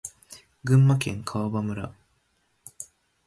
群馬県川場村